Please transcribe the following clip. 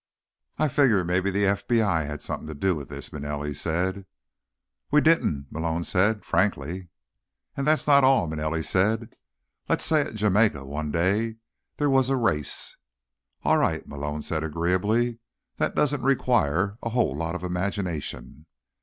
"I figure maybe the FBI had something to do with this," Manelli said. "We didn't," Malone said. "Frankly." "And that's not all," Manelli said. "Let's say at Jamaica one day there was a race." "All right," Malone said agreeably. "That doesn't require a whole lot of imagination."